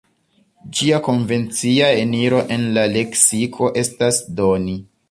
Ĝia konvencia eniro en la leksiko estas "doni".